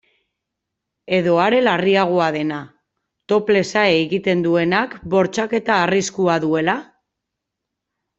Edo are larriagoa dena, toplessa egiten duenak bortxaketa arriskua duela?